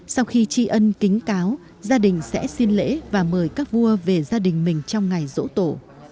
sau khi tri ân kính cáo gia đình sẽ xin lễ và mời các vua về gia đình mình trong ngày rỗ tổ